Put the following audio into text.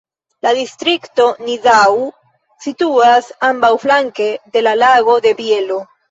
La distrikto Nidau situas ambaŭflanke de la Lago de Bielo.